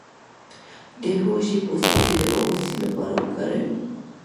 د هوږې پوستکی د بواسیر لپاره وکاروئ